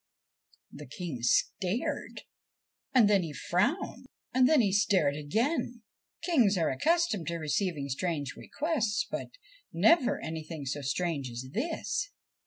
The King stared, and then he frowned, and then he stared again. Kings are accustomed to receiving strange requests ; but never anything so strange as this.